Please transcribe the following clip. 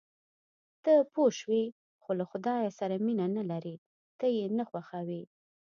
ته پوه شوې، خو له خدای سره مینه نه لرې، ته یې نه خوښوې.